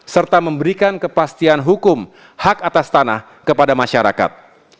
serta memberikan kepastian hukum hak atas tanah kepada masyarakat